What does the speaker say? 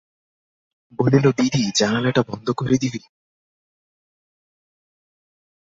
বলিল, দিদি, জানালাটা বন্ধ করে দিবি?